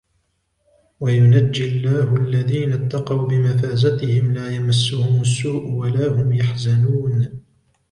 وَيُنَجِّي اللَّهُ الَّذِينَ اتَّقَوْا بِمَفَازَتِهِمْ لَا يَمَسُّهُمُ السُّوءُ وَلَا هُمْ يَحْزَنُونَ